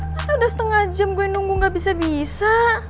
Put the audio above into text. masa udah setengah jam gue nunggu gak bisa bisa